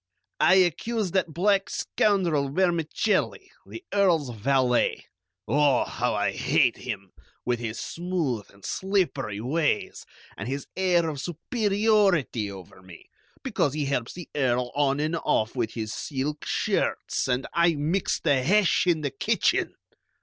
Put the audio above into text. "I accuse that black scoundrel Vermicelli, the Earl's valet. Oh, how I hate him, with his smooth and slippery ways, and his air of superiority over me, because he helps the Earl on and off with his silk shirts, and I mix the hash in the kitchen!"